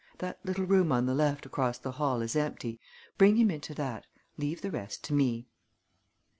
That little room on the left, across the hall, is empty. Bring him into that. Leave the rest to me."